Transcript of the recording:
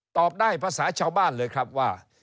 ตอบได้ภาษาชาวบ้านเลยครับว่า